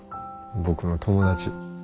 僕の友達。